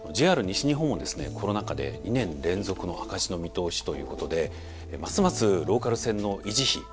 ＪＲ西日本もですねコロナ禍で２年連続の赤字の見通しということでますますローカル線の維持費